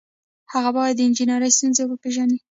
هغه باید د انجنیری ستونزې وپيژني.